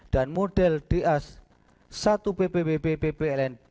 dan model da satu bbwb bb ln